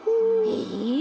へえ！